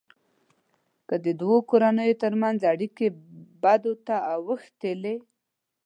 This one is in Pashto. که د دوو کورنيو ترمنځ اړیکې بدو ته اوښتلې.